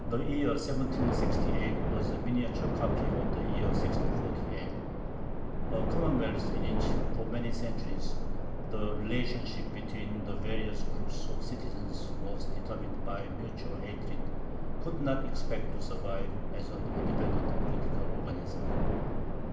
The year 1768 was a miniature copy of the year 1648. A commonwealth in which for many centuries the relationship between the various groups of citizens was determined by mutual hatred, could not expect to survive as an independent political organism.